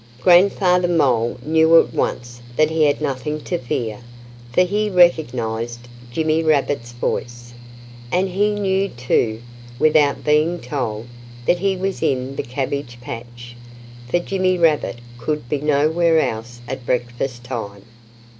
Grandfather Mole knew at once that he had nothing to fear, for he recognized Jimmy Rabbit's voice. And he knew, too, without being told, that he was in the cabbage patch. For Jimmy Rabbit could be nowhere else at breakfast time.